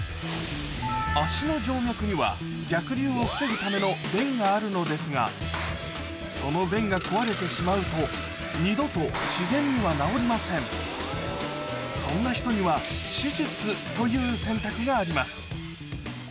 足の静脈には逆流を防ぐための弁があるのですがその弁が壊れてしまうとそんな人には手術という選択があります